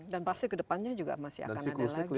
pasti kedepannya juga masih akan ada lagi